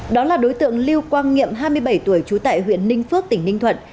đó là đối tượng lưu quang nghiệm hai mươi bảy tuổi trú tại huyện ninh phước tỉnh ninh thuận